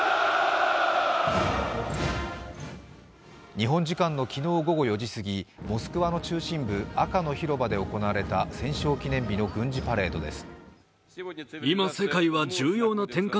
日本時間の午後４時過ぎモスクワの中心部赤の広場で行われた戦勝記念日の軍事パレードです。